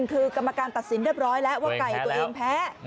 คือกรรมการตัดสินเรียบร้อยแล้วว่าไก่ตัวเองแพ้